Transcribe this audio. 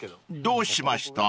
［どうしました？］